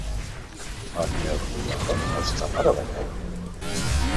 En Melrosada està meravellat?